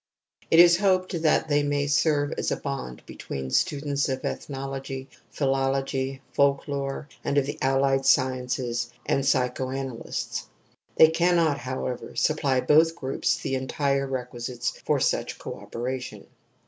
It is hoped that they may serve as a bond between students of ethnology, philology, folklore and of the allied sciences, and psycho analysts ; they cannot, however, supply both groups the entire requisites for such co opera tion.